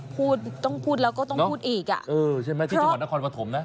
พูดต้องพูดแล้วก็ต้องพูดอีกอ่ะเออใช่ไหมที่จังหวัดนครปฐมนะ